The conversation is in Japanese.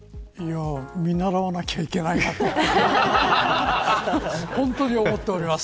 見習わなきゃいけないなと本当に思っています。